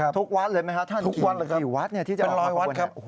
เที่ยงทุกวัดนะคะ